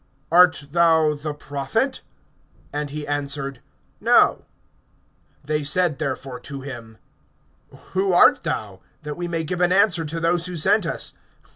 Art thou the Prophet? And he answered: No. (22)They said therefore to him: Who art thou? that we may give an answer to those who sent us.